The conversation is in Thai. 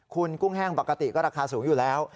คุณกุ้งแห้งปกติก็ราคาสูงอยู่แล้ว